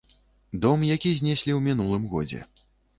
Дом, які знеслі ў мінулым годзе.